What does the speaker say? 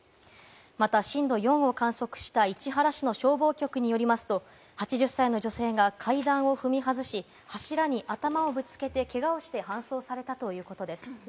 また震度４を観測した市原市の消防局によりますと、８０歳の女性が階段を踏み外し、柱に頭をぶつけてけがをして搬送されたということです。